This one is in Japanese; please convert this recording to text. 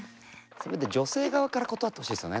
せめて女性側から断ってほしいですよね